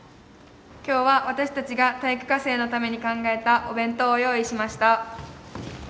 今日は、私たちが体育科生のために考えたお弁当を用意しました。